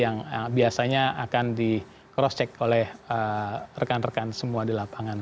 yang biasanya akan di cross check oleh rekan rekan semua di lapangan